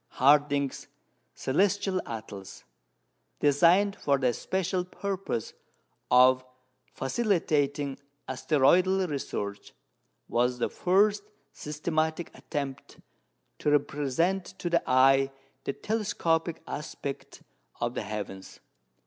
Harding's "Celestial Atlas," designed for the special purpose of facilitating asteroidal research, was the first systematic attempt to represent to the eye the telescopic aspect of the heavens.